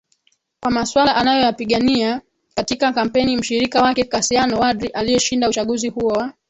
kwa masuala anayoyapigania katika kampeni Mshirika wake Kassiano Wadri aliyeshinda uchaguzi huo wa